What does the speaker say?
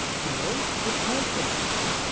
not if partial ?